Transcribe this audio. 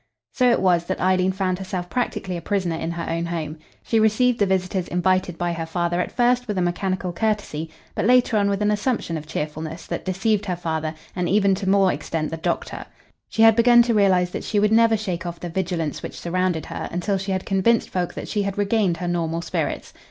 So it was that Eileen found herself practically a prisoner in her own home. She received the visitors invited by her father at first with a mechanical courtesy, but later on with an assumption of cheerfulness that deceived her father and even to more extent the doctor. She had begun to realise that she would never shake off the vigilance which surrounded her until she had convinced folk that she had regained her normal spirits.